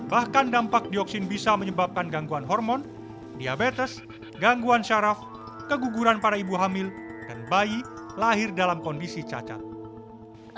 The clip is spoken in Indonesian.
bahkan dampak dioksin bisa menyebabkan gangguan hormon diabetes gangguan syaraf keguguran para ibu hamil dan bayi lahir dalam kondisi cacat